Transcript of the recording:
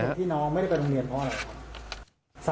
ที่น้องไม่ได้ไปโรงเรียนเพราะอะไรครับ